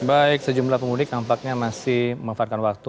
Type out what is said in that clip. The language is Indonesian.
baik sejumlah pemudik tampaknya masih memanfaatkan waktu